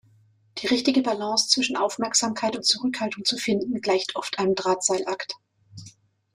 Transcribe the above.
Die richtige Balance zwischen Aufmerksamkeit und Zurückhaltung zu finden, gleicht oft einem Drahtseilakt.